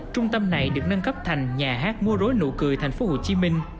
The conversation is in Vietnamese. trung tâm này được nâng cấp thành nhà hát mua rối nụ cười thành phố hồ chí minh